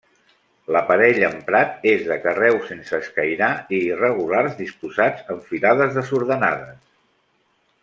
L'aparell emprat és de carreus sense escairar i irregulars, disposats en filades desordenades.